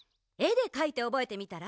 でかいておぼえてみたら？